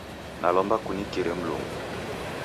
Nalomba kunikire Mulungu